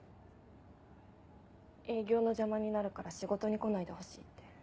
営業の邪魔になるから仕事に来ないでほしいって。